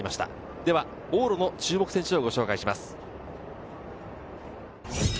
では往路の注目選手をご紹介します。